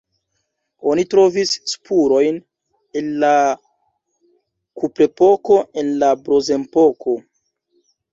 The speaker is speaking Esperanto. Oni trovis spurojn el la kuprepoko, el la bronzepoko.